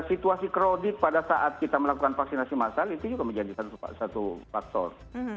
situasi kredit pada saat kita melakukan vaksinasi masal itu juga menjadi satu faktor